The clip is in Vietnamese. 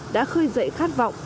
đã khơi dậy khát vọng